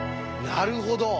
なるほど！